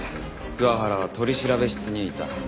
桑原は取調室にいた。